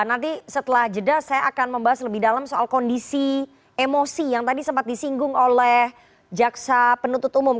nanti setelah jeda saya akan membahas lebih dalam soal kondisi emosi yang tadi sempat disinggung oleh jaksa penuntut umum